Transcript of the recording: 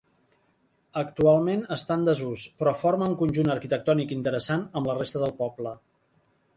Actualment està en desús, però forma un conjunt arquitectònic interessant amb la resta del poble.